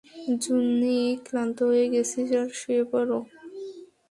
জুনি, ক্লান্ত হয়ে গেছিস, আয় শুয়ে পর।